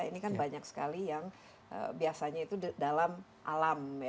ini kan banyak sekali yang biasanya itu dalam alam